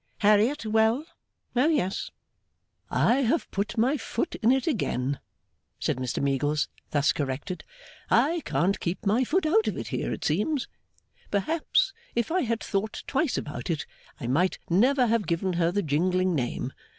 'Harriet well? O yes!' 'I have put my foot in it again,' said Mr Meagles, thus corrected. 'I can't keep my foot out of it here, it seems. Perhaps, if I had thought twice about it, I might never have given her the jingling name.